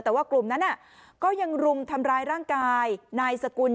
แต่ว่ากลุ่มนั้นก็ยังรุมทำร้ายร่างกายนายสกุล